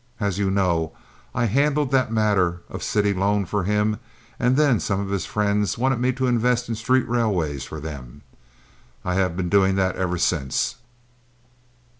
As you know, I handled that matter of city loan for him and then some of his friends wanted me to invest in street railways for them. I have been doing that ever since.